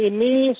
ini sudah berakhir